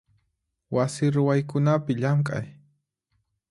Wasi ruwaykunapi llamk'ay.